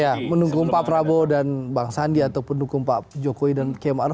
ya pendukung pak prabowo dan bang sandi atau pendukung pak jokowi dan km arf saatnya kita bersatu padu